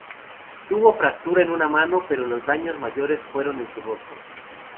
Tuvo fractura en una mano, pero los daños mayores fueron en su rostro.